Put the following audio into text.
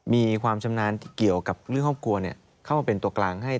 มีความชำนาญเกี่ยวกับเรื่องครอบครัวเข้ามาเป็นตัวกลางให้